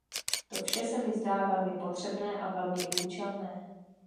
To vše se mi zdá velmi potřebné a velmi účelné.